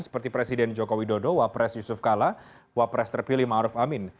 seperti presiden jokowi dodo wapres yusuf kala wapres terpilih ma'ruf amin